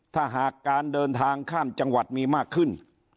ถ้าหากการเดินทางข้ามจังหวัดมีมากขึ้น